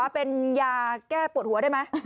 เป็นยาแก้ปวดหัวได้ไหม